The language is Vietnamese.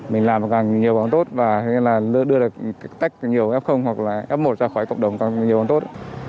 mình làm càng nhiều càng tốt và đưa được tách nhiều f hoặc là f một ra khỏi cộng đồng càng nhiều càng tốt